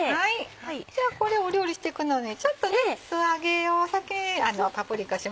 じゃあこれ料理していくのにちょっと素揚げを先にパプリカしますけど。